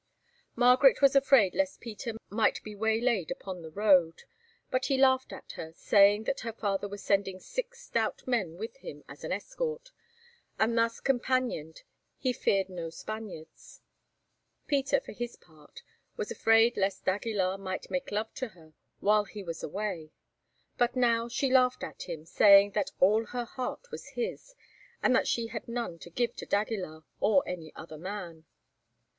Margaret was afraid lest Peter might be waylaid upon the road, but he laughed at her, saying that her father was sending six stout men with him as an escort, and thus companioned he feared no Spaniards. Peter, for his part, was afraid lest d'Aguilar might make love to her while he was away. But now she laughed at him, saying that all her heart was his, and that she had none to give to d'Aguilar or any other man.